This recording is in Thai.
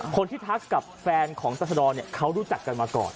คนที่ทักกับแฟนของตอสดรเนี่ยเขารู้จักกันมาก่อน